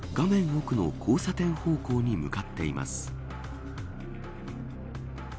奥の交差点方向に向かっています。